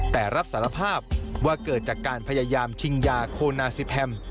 แต่รับสารภาพว่าเกิดจากการพยายามชิงยาโคนาซิแพม